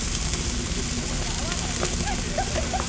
何か合わないね。